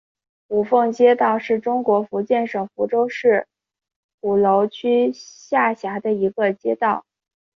五凤街道是中国福建省福州市鼓楼区下辖的一个街道。